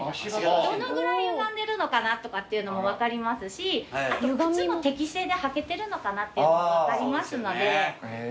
どのぐらいゆがんでるのかなとかっていうのも分かりますし靴も適正で履けてるのかなっていうのも分かりますので。